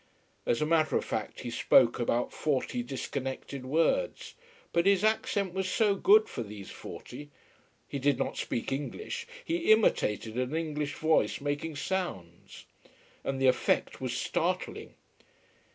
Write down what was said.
As a matter of fact he spoke about forty disconnected words. But his accent was so good for these forty. He did not speak English, he imitated an English voice making sounds. And the effect was startling.